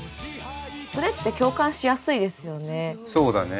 それって共感しやすいですよね。